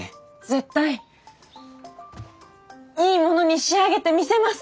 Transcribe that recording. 絶対いいものに仕上げてみせます。